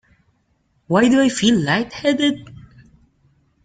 Why do I feel light-headed?